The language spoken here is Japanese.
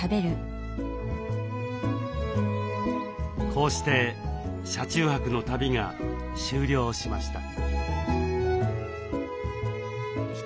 こうして車中泊の旅が終了しました。